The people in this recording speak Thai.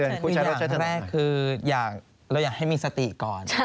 อย่างแรกคือเราอยากให้มีสติก่อน